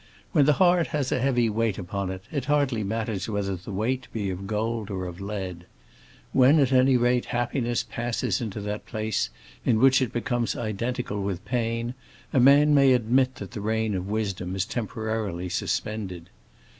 When the heart has a heavy weight upon it, it hardly matters whether the weight be of gold or of lead; when, at any rate, happiness passes into that place in which it becomes identical with pain, a man may admit that the reign of wisdom is temporarily suspended.